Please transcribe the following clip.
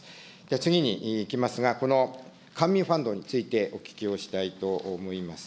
次にいきますが、この官民ファンドについてお聞きをしたいと思います。